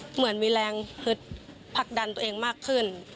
เหมือนมีแรงฮึดผลักดันตัวเองมากขึ้น